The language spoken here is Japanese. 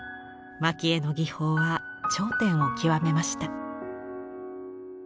蒔絵の技法は頂点を極めました。